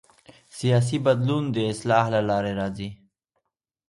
سیاسي بدلون د اصلاح له لارې راځي